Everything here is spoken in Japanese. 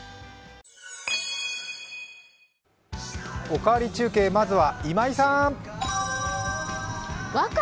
「おかわり中継」まずは今井さん。